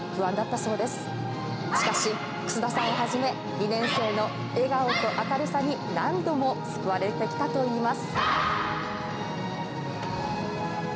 しかし、楠田さんをはじめ、２年生の笑顔と明るさに何度も救われてきたといいます。